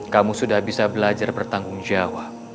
kamu sudah bisa belajar bertanggung jawab